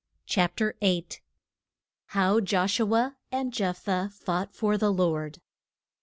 CHAPTER VIII. HOW JOSHUA AND JEPHTHAH FOUGHT FOR THE LORD.